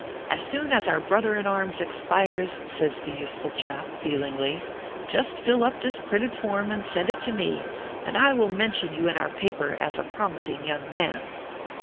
As soon as our brother in arms expires/ says the useful chap, feelingly, "just fill up this printed form and send it to me, and I will mention you in our paper as a prom ising young man."